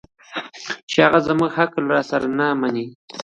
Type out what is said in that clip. چې هغه زموږ عقل راسره نه مني